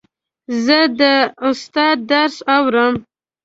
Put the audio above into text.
زه د استاد درس اورم.